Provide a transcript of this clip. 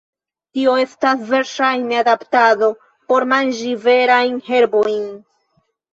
Tio estas verŝajne adaptado por manĝi verajn herbojn.